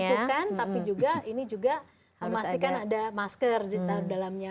bukan tapi juga ini juga memastikan ada masker di dalamnya